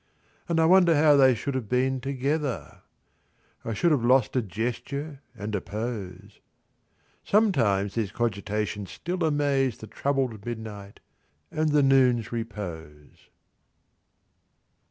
And I wonder how they should have been together! I should have lost a gesture and a pose. Sometimes these cogitations still amaze The troubled midnight and the noon's repose.